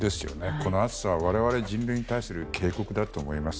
この暑さは我々人類に対する警告だと思います。